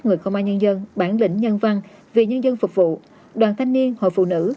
người công an nhân dân bản lĩnh nhân văn vì nhân dân phục vụ đoàn thanh niên hội phụ nữ